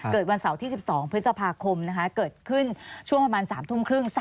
วันเสาร์ที่๑๒พฤษภาคมเกิดขึ้นช่วงประมาณ๓ทุ่มครึ่ง